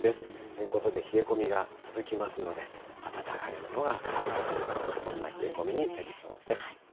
ということで、冷え込みが続きますので、温かいものが食べたくなる、そんな冷え込みになりそうです。